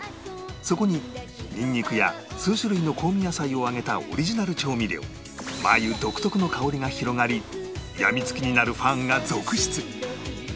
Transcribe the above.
そこにニンニクや数種類の香味野菜を揚げたオリジナル調味料マー油独特の香りが広がりやみつきになるファンが続出